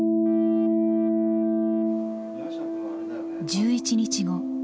１１日後。